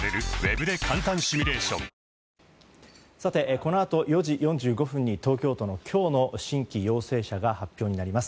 このあと４時４５分に東京都の今日の新規陽性者が発表されます。